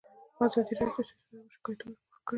ازادي راډیو د سیاست اړوند شکایتونه راپور کړي.